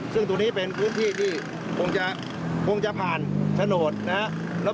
ซึ่งตรงนี้เป็นพื้นที่ที่คงจะผ่านโฉนดนะครับ